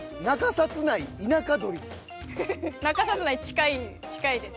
中札内近いです。